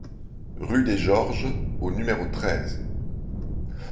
Rue des Georges au numéro treize